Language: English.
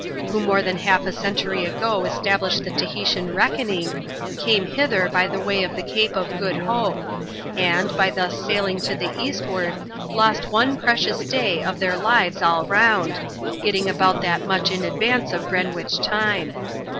163 who more than half a century ago established the Tahitian reckoning, came hither by the way of the Cape of Good Hope > and, by thus sailing to the eastward, lost one precious day of their lives all round, getting about that much in advance of Greenwich time.